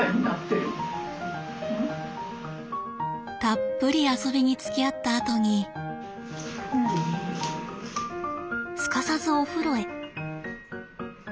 たっぷり遊びにつきあったあとにすかさずお風呂へ。